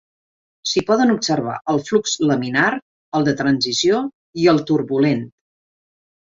S'hi poden observar el flux laminar, el de transició i el turbulent.